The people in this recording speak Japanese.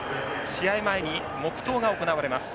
試合前に黙とうが行われます。